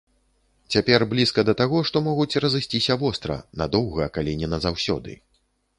Цяпер блізка да таго, што могуць разысціся востра, надоўга, калі не назаўсёды.